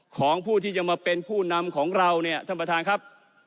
ของผู้ที่จะมาเป็นผู้นำของเราเนี่ยท่านประธานครับ